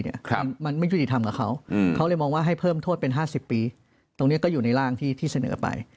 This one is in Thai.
มันไม่ยุติธรรมกับเขาเขาเลยมองว่าให้เพิ่มโทษเป็น๕๐ปีตรงนี้ก็อยู่ในร่างที่เสนอไป